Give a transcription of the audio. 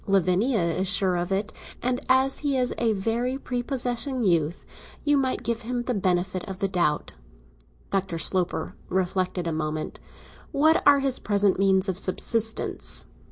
Lavinia is sure of it, and, as he is a very prepossessing youth, you might give him the benefit of the doubt." Dr. Sloper reflected a moment. "What are his present means of subsistence?"